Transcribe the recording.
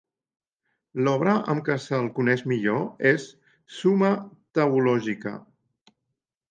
L'obra amb què se'l coneix millor és "Summa Theologica".